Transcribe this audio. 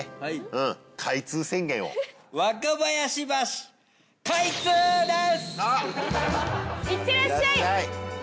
うん。いってらっしゃい。